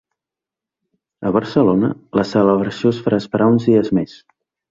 A Barcelona, la celebració es farà esperar uns dies més.